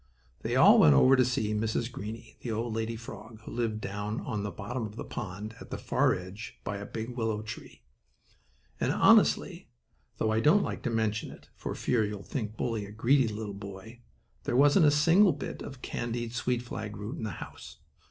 They all went over to see Mrs. Greenie, the old lady frog, who lived down on the bottom of the pond, at the far edge, by a big willow tree. And, honestly, though I don't like to mention it, for fear you'll think Bully a greedy little boy, there wasn't a single bit of candied sweet flag root in the house.